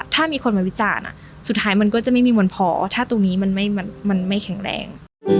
ถ้ามีคนมาวิจารณ์สุดท้ายมันก็จะไม่มีวันพอถ้าตรงนี้มันไม่แข็งแรง